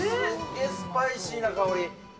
スパイシーな香り。